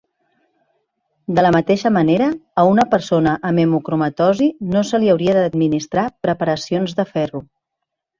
De la mateixa manera, a una persona amb hemocromatosi no se li hauria d'administrar preparacions de ferro.